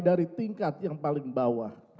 dari tingkat yang paling bawah